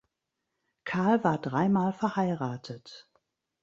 Kahl war dreimal verheiratet.